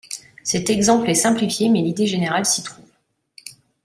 Cet exemple est simplifié, mais l'idée générale s'y trouve.